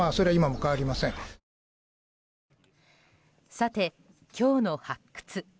さて、今日の発掘。